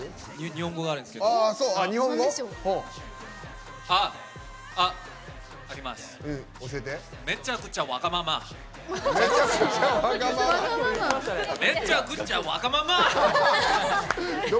日本語があるんですけど。